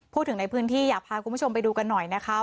พูดถึงในพื้นที่อยากพาคุณผู้ชมไปดูกันหน่อยนะคะ